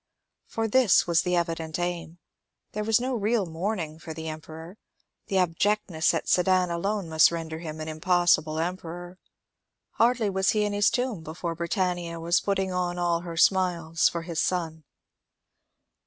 For this was the evident aim. There was no real mourning for the Emperor; the abjectness at Sedan alone must render him an impossible emperor ; hardly was he in his tomb before Britannia was putting on all her smiles for his son.